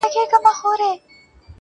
ځوان ژاړي سلگۍ وهي خبري کوي